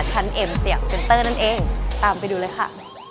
เอ็มเสียงเซ็นเตอร์นั่นเองตามไปดูเลยค่ะ